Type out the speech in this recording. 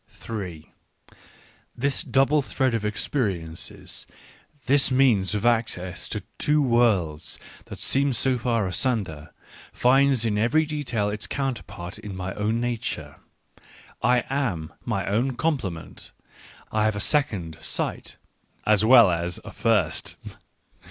Digitized by Google 14 ECCE HOMO This double thread of experiences, this means of access to two worlds that seem so far asunder, finds in every detail its counterpart in my own nature — I am my own complement : I have a " second " sight, as well as a first.